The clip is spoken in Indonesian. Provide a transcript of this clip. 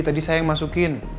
tadi saya yang masukin